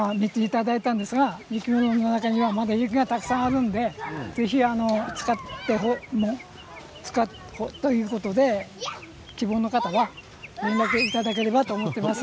雪室の中には雪がまだたくさんあるのでぜひ使っていただきたいということで、希望の方は連絡いただければと思います。